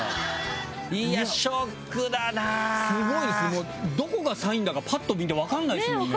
もうどこがサインだかパっと見て分かんないですもんね。